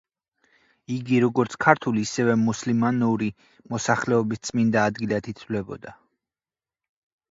იგი როგორც ქართულ, ისევე მუსლიმანური მოსახლეობის წმინდა ადგილად ითვლებოდა.